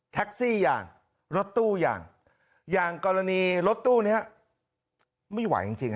อย่างรถตู้อย่างอย่างกรณีรถตู้นี้ไม่ไหวจริง